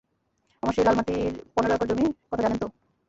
আমার সেই লাল মাটির পনের একর জমি কথা তো জানেন।